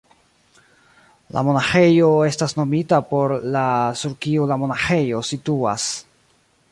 La monaĥejo estas nomita por la sur kiu la monaĥejo situas.